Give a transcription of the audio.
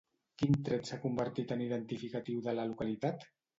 Quin tret s'ha convertit en identificatiu de la localitat?